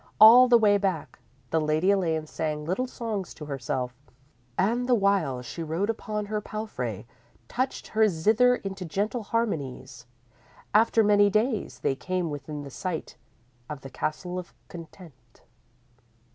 All the way back, the Lady Elaine sang little songs to herself, and, the while she rode upon her palfrey, touched her zither into gentle harmonies. After many days, they came within sight of the Castle of Content.